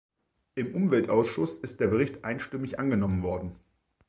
Im Umweltausschuss ist der Bericht einstimmig angenommen worden.